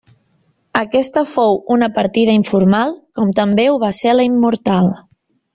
Aquesta fou una partida informal, com també ho va ser la Immortal.